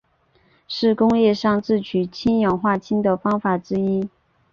是工业上制取氰化氢的方法之一。